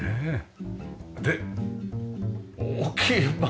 で大きい窓。